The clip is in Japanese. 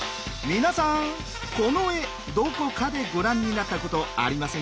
皆さんこの絵どこかでご覧になったことありませんか？